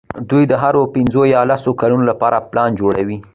دوی د هرو پینځو یا لسو کلونو لپاره پلان جوړوي.